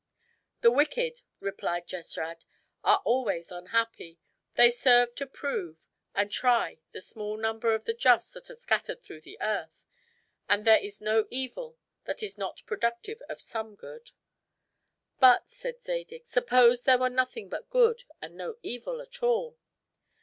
"The wicked," replied Jesrad, "are always unhappy; they serve to prove and try the small number of the just that are scattered through the earth; and there is no evil that is not productive of some good." "But," said Zadig, "suppose there were nothing but good and no evil at all."